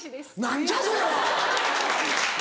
何じゃそれは！